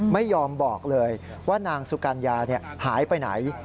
ไม่ยอมบอกเลยว่านางสุกัญญาหายไปไหน